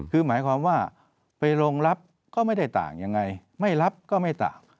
คือหมายความว่าไปรองรับก็ไม่ได้ต่างยังไงไม่รับก็ไม่ต่าง